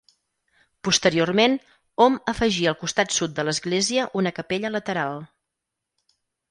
Posteriorment, hom afegí al costat sud de l'església una capella lateral.